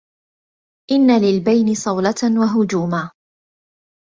إن للبين صولة وهجوما